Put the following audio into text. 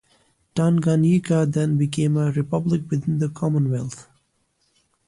Tanganyika then became a republic within the Commonwealth.